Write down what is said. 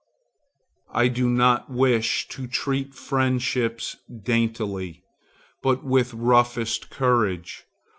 I do not wish to treat friendships daintily, but with roughest courage.